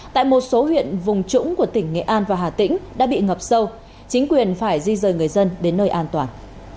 tại một số huyện vùng trũng của tỉnh nghệ an và hà tĩnh đã bị ngập sâu chính quyền phải di rời người dân đến nơi an toàn